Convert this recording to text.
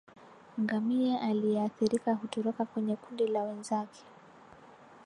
Ngamia aliyeathirika hutoroka kwenye kundi la wenzake